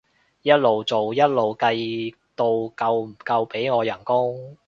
一路做一路計到夠唔夠俾我人工